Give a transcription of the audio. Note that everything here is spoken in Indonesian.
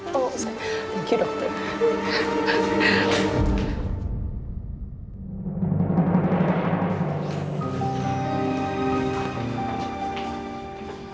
terima kasih dokter